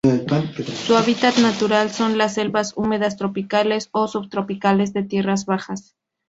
Su hábitat natural son las selvas húmedas tropicales o subtropicales de tierras bajas.